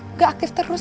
aku gak aktif terus